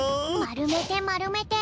まるめてまるめて。